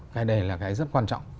cái này là cái rất quan trọng